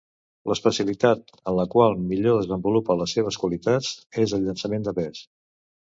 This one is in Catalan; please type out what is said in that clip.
L'especialitat en la qual millor desenvolupa les seves qualitats és el llançament de pes.